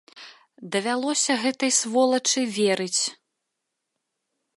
Давялося гэтай сволачы верыць.